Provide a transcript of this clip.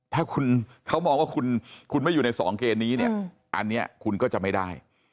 ถ้าคุณเขามองว่าคุณไม่อยู่ในสองเกณฑ์นี้เนี่ยอันนี้คุณก็จะไม่ได้